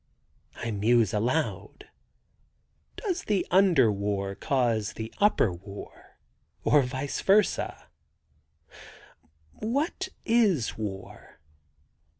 I muse aloud! "Does the under war cause the upper war, or vice versa? What is war?